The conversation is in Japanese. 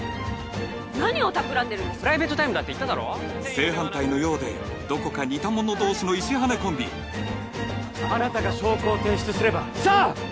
何をたくらんでるんですかプライベートタイムだって言っただろ正反対のようでどこか似た者同士の石羽コンビあなたが証拠を提出すればさあ！